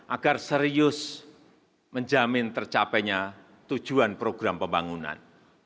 agar serius menjamin tercapainya tujuan program pembangunan